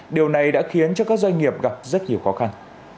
điều này đã khiến cho các doanh nghiệp gặp rất nhiều khó khăn